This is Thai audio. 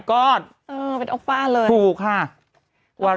พี่นุ่มมองข้างหลังอีกแล้วเนี่ย